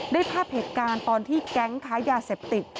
ได้ภาพเหตุการณ์ตอนที่แก๊งค้ายาเสพติด